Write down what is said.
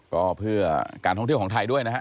ก็เพื่อการท่องเที่ยวของไทยด้วยนะฮะ